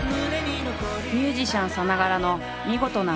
ミュージシャンさながらの見事な歌声。